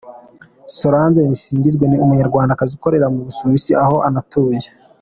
Solange Nisingizwe ni umunyarwandakazi ukorera mu Busuwisi aho anatuye.